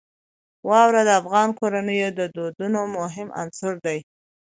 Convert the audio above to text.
واوره د افغان کورنیو د دودونو مهم عنصر دی.